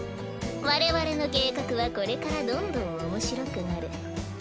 我々の計画はこれからどんどんおもしろくなる。